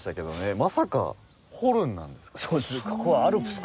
まさかホルンなんですか？